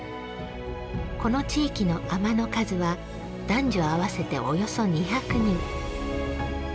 この地域の「あま」の数は男女合わせておよそ２００人。